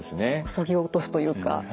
そぎ落とすというか。